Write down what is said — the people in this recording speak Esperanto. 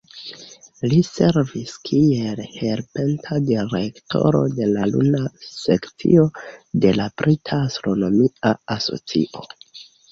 Ll servis kiel Helpanta Direktoro de la Luna Sekcio de la Brita Astronomia Asocio.